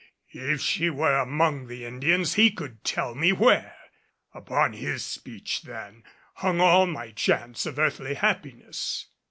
If she were among the Indians he could tell me where. Upon his speech, then, hung all my chance of earthly happiness.